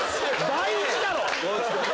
大事だろ！